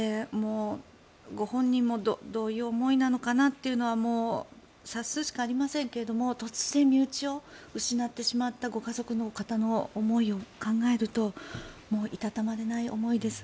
ご本人もどういう思いなのかなというのは察するしかありませんが突然、身内を失ってしまったご家族の方の思いを考えるといたたまれない思いです。